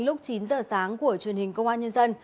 lúc chín giờ sáng của truyền hình công an nhân dân